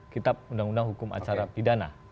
kitab undang undang hukum acara pidana